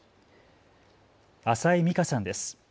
浅井美香さんです。